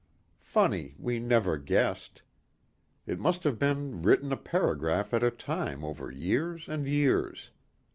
Funny we never guessed. It must have been written a paragraph at a time over years and years.